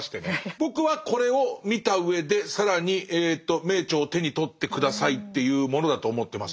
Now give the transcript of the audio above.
僕はこれを見たうえで更にえと名著を手に取って下さいっていうものだと思ってます。